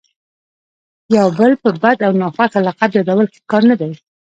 یو بل په بد او ناخوښه لقب یادول ښه کار نه دئ.